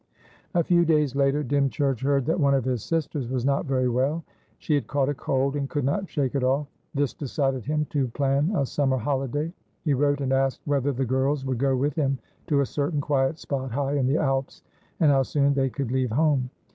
A few days later, Dymchurch heard that one of his sisters was not very well. She had caught a cold, and could not shake it off. This decided him to plan a summer holiday. He wrote and asked whether the girls would go with him to a certain quiet spot high in the Alps, and how soon they could leave home.